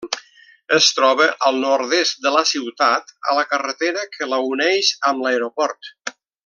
Es troba al nord-est de la ciutat, a la carretera que la uneix amb l'aeroport.